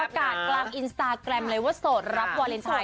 กลางอินสตาแกรมเลยว่าโสดรับวาเลนไทย